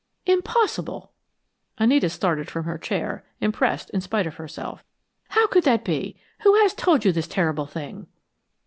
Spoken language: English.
"Impossible!" Anita started from her chair, impressed in spite of herself. "How could that be? Who has told you this terrible thing?"